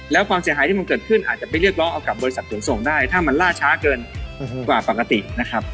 แล้วความเสียหายที่มันเกิดขึ้นอาจจะไปเรียกร้องเอากับบริษัทขนส่งได้ถ้ามันล่าช้าเกินกว่าปกตินะครับ